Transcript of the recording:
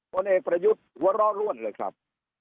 ผลเอกประยุทธ์หัวเราะล่วนเลยครับ